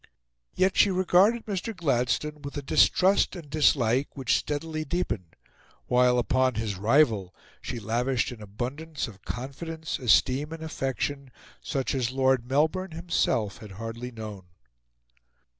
Yet she regarded Mr. Gladstone with a distrust and dislike which steadily deepened, while upon his rival she lavished an abundance of confidence, esteem, and affection such as Lord Melbourne himself had hardly known.